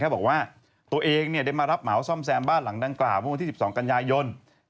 บอกว่าตัวเองได้มารับเหมาซ่อมแซมบ้านหลังดังกล่าวเมื่อวันที่๑๒กันยายน